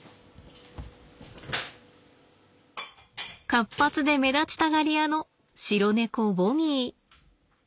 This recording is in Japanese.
活発で目立ちたがり屋の白猫ボニー。